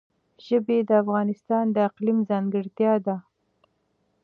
ژبې د افغانستان د اقلیم ځانګړتیا ده.